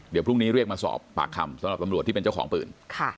เดี๋ยวพรุ่งนี้เรียกมาสอบปากคำสำหรับตำรวจที่เป็นเจ้าของปืน